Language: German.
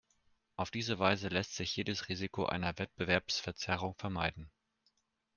Auf diese Weise lässt sich jedes Risiko einer Wettbewerbsverzerrung vermeiden.